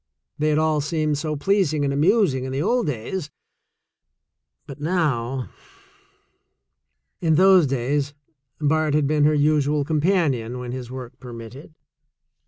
They had all seemed so pleasing and amusing in the old days — but now —jn those days Bart had been her usual companion when his work permitted.